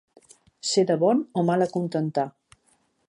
Ser de bon o mal acontentar.